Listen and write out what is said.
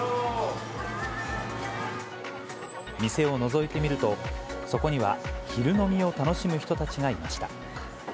店をのぞいてみると、そこには昼飲みを楽しむ人たちがいました。